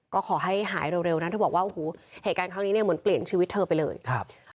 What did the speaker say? ก็ขอให้หายเร็วนะเธอบอกว่าโอ้โหเหตุการณ์ครั้งนี้เนี่ยเหมือนเปลี่ยนชีวิตเธอไปเลยครับ